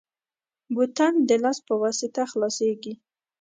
بوتل د لاس په واسطه خلاصېږي.